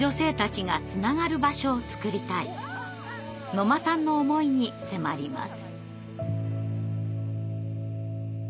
野間さんの思いに迫ります。